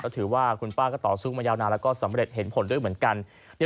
ถือว่าคุณป้าก็ต่อสู้มายาวนานแล้วก็สำเร็จเห็นผลด้วยเหมือนกัน